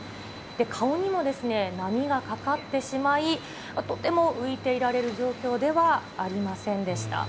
顔にも波がかかってしまい、とても浮いていられる状況ではありませんでした。